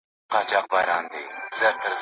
وختونه واوښتل اور ګډ سو د خانۍ په خونه